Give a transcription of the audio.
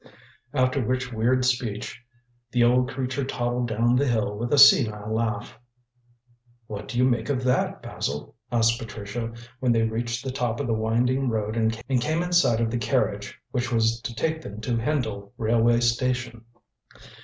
After which weird speech the old creature toddled down the hill with a senile laugh. "What do you make of that, Basil?" asked Patricia, when they reached the top of the winding road and came in sight of the carriage which was to take them to Hendle railway station.